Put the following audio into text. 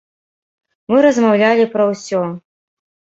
Мы размаўлялі пра ўсё.